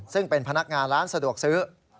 ซึ่งเป็นพนักงานร้านสะดวกซื้อ